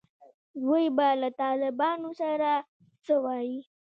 دوی به له طالبانو سره څه وایي.